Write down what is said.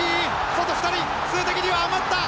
外２人数的には余った。